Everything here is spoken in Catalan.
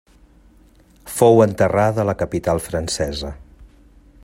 Fou enterrada a la capital francesa.